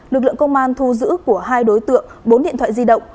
lực lượng công an thu giữ của hai đối tượng bốn điện thoại di động